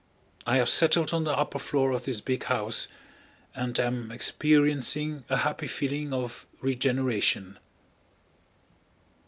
I have settled on the upper floor of this big house and am experiencing a happy feeling of regeneration.